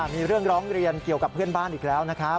มีเรื่องร้องเรียนเกี่ยวกับเพื่อนบ้านอีกแล้วนะครับ